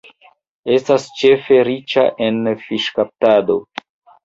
Estas ĉefe riĉa en fiŝkaptado.